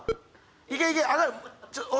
いけいけ！